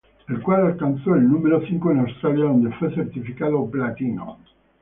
El cual alcanzó el número cinco en Australia, donde fue certificado Platino.